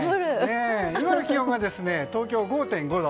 今の気温が東京、５．５度。